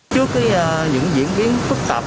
trước những diễn biến phức tạp